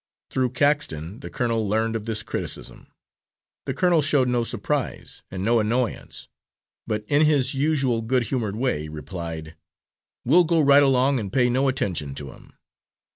Through Caxton the colonel learned of this criticism. The colonel showed no surprise, and no annoyance, but in his usual good humoured way replied: "We'll go right along and pay no attention to him.